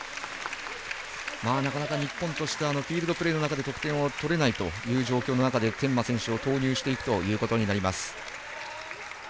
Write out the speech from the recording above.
なかなか、日本としてはフィールドプレーの中で得点を取れないという状況の中で天摩選手を投入していくということになります。